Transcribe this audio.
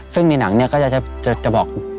ซึ่งในหนังเนี่ยก็จะบอก